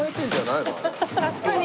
確かに。